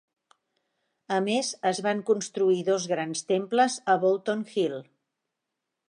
A més, es van construir dos grans temples a Bolton Hill.